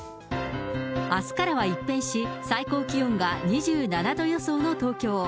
あすからは一変し、最高気温が２７度予想の東京。